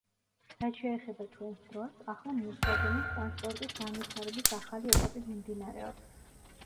რაც შეეხება ჩვენს დროს, ახლა მილსადენი ტრანსპორტის განვითარების ახალი ეტაპი მიმდინარეობს.